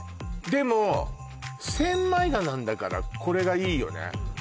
でも千枚田なんだからこれがいいよね